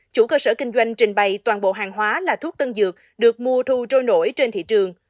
chủ cơ sở kinh doanh trình bày toàn bộ hàng hóa là thuốc tân dược được mua thu trôi nổi trên thị trường